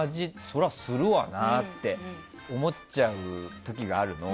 そりゃするわなって思っちゃう時があるの。